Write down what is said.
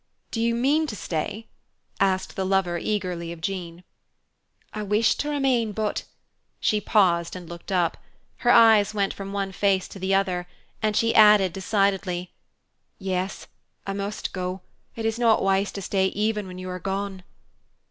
"Do you mean to stay?" asked the lover eagerly of Jean. "I wish to remain, but " She paused and looked up. Her eyes went from one face to the other, and she added, decidedly, "Yes, I must go, it is not wise to stay even when you are gone."